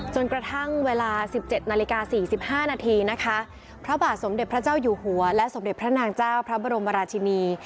จนกระทั่งเวลา๑๗นาฬิกา๔๕นาทีนะคะพระบาทสมเด็จพระเจ้าอยู่หัวและสมเด็จพระนางเจ้าพระบรมราชินี